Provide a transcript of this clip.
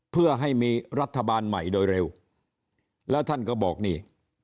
เพื่อให้มีรัฐบาลใหม่โดยเร็วแล้วท่านก็บอกนี่